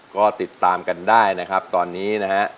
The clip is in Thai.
ก็ติดตามกันได้นะครับตอนนี้นะฮะ